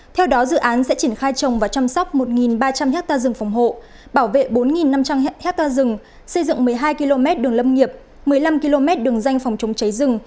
theo đó dự án sẽ triển khai trồng và chăm sóc một ba trăm linh ha rừng phòng hộ bảo vệ bốn năm trăm linh hectare rừng xây dựng một mươi hai km đường lâm nghiệp một mươi năm km đường danh phòng chống cháy rừng